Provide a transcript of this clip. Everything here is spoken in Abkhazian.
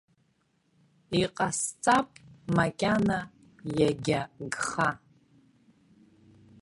Иҟасҵап макьана иагьа гха.